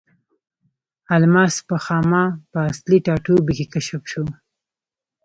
الماس په خاما په اصلي ټاټوبي کې کشف شو.